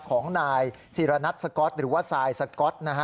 ของนายสิรณัทสก๊อตหรือว่าซายสก๊อต